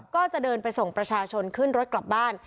ก็จะเดินไปส่งประชาชนขึ้นรถกลับบ้าน